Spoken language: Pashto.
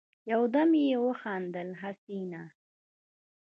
يودم يې وخندل: حسينه!